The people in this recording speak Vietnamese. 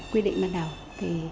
quy định ban đầu thì